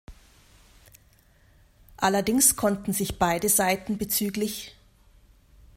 Allerdings konnten sich beide Seiten bzgl.